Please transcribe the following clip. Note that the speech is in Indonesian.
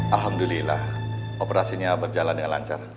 alhamdulillah operasinya berjalan dengan lancar